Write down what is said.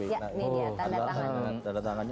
ini ya tanda tangan